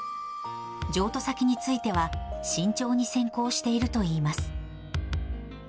譲渡先については、慎重に選考しているといいます。